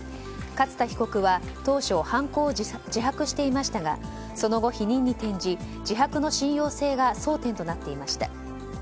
勝田被告は当初、犯行を自白していましたがその後、否認に転じ自白の信用性が争点となっていました。